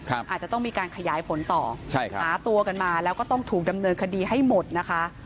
อาจจะต้องมีการขยายผลต่อใช่ครับหาตัวกันมาแล้วก็ต้องถูกดำเนินคดีให้หมดนะคะ